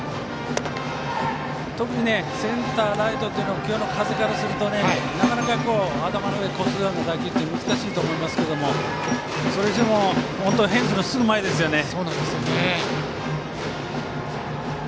特にセンター、ライトは今日の風からするとなかなか頭の上を越すような打球は難しいと思いますけどもそれにしても本当にフェンスのすぐ前ですね。